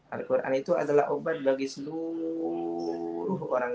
al quran itu adalah obat bagi seluruh orang